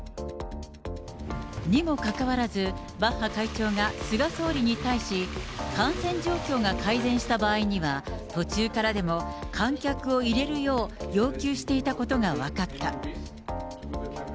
にもかかわらず、バッハ会長が菅総理に対し、感染状況が改善した場合には、途中からでも観客を入れるよう要求していたことが分かった。